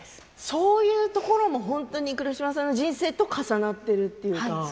そういうところも本当に黒島さんの人生と重なっているというか。